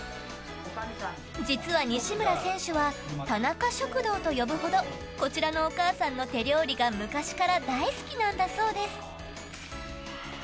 実は、西村選手は田中食堂と呼ぶほどこちらのお母さんの手料理が昔から大好きなんだそうです。